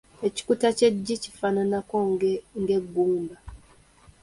Ekikuta ky’eggi kifaananako ng’eggumba.